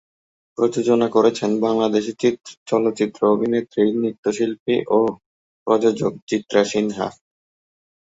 প্রযোজনা করেছেন বাংলাদেশী চলচ্চিত্র অভিনেত্রী, নৃত্যশিল্পী ও প্রযোজক চিত্রা সিনহা।